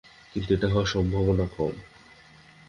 কিন্তু এটা হওয়ার সম্ভাবনা কম।